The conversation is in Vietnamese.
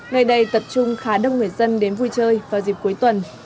nơi đây tập trung khá đông người dân đến vui chơi vào dịp cuối tuần